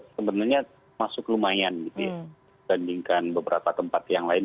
sebenarnya masuk lumayan dibandingkan beberapa tempat yang lain